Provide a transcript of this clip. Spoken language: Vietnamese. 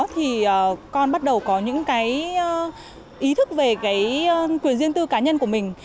thì con bắt đầu có những cái ý thức về cái quyền riêng tư cá nhân của mình